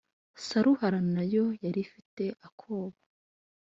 Saruhara na yo yari ifite akoba.